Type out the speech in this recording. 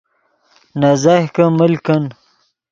نے زیہکے مل کن